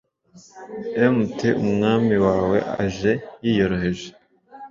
mt umwami wawe aje yiyoroheje